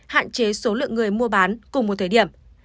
hạn chế số lượng người mua bán cùng một thời điểm